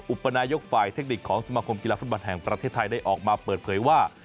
อุปนายกฝ่ายเทคนิคของสมาคมกีฬาฟุตบอลแห่งประเทศไทยได้ออกมาเปิดเผยว่า